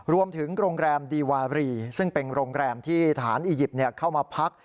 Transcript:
โรงแรมดีวารีซึ่งเป็นโรงแรมที่ทหารอียิปต์เข้ามาพัก